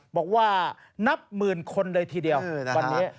บอกว่านับหมื่นคนเลยทีเดียววันนี้